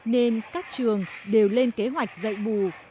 nên các trường đều lên kế hoạch dạy bù